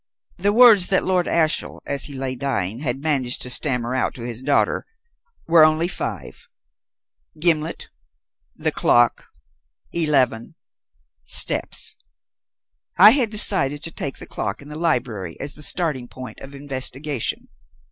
The words that Lord Ashiel, as he lay dying, had managed to stammer out to his daughter, were only five. 'Gimblet the clock eleven steps.' I had decided to take the clock in the library as the starting point of investigation.